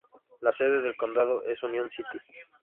La sede del condado es Union City.